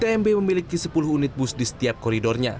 tmb memiliki sepuluh unit bus di setiap koridornya